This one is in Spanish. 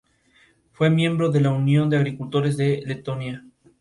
Fue miembro de la Unión de Agricultores de Letonia.